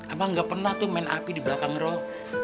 abang nggak pernah tuh main api di belakang rok